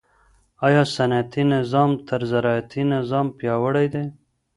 آیا صنعتي نظام تر زراعتي نظام پیاوړی دی؟